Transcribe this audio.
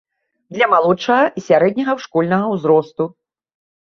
Для малодшага і сярэдняга школьнага ўзросту.